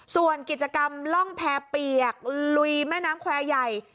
ส่วนกิจกรรมล่องแพรเปียกลุยแม่น้ำแควร์ใหญ่